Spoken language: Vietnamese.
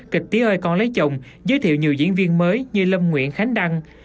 kịch tía ơi con lấy chồng giới thiệu nhiều diễn viên mới như lâm nguyễn khánh đăng